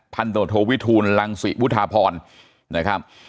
พันธุ์ตรวจโทวิทูลลังศิวุฒาพรนะครับ